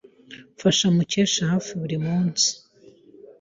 Mfasha Mukesha hafi buri munsi.